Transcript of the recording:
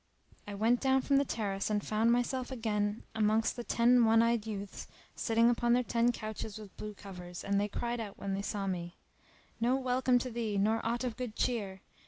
I went down from the terrace and found myself again amongst the ten one eyed youths sitting upon their ten couches with blue covers; and they cried out when they saw me, "No welcome to thee, nor aught of good cheer!